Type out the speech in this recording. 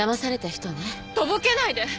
とぼけないで！